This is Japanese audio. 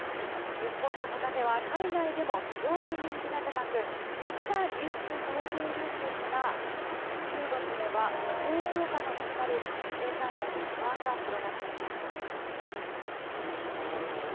日本のホタテは海外でも非常に人気が高くたくさん輸出されているんですが中国では規制強化が始まり生産者に不安が広がっています。